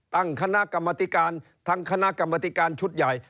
ตั้งคณะกรรมธิการทั้งคณะกรรมธิการชุดใหญ่